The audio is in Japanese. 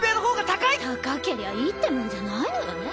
高けりゃいいってもんじゃないのよね。